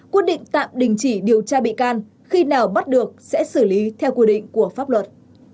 quyết định tạm đình chỉ điều tra bị can khi nào bắt được sẽ xử lý theo quy định của pháp luật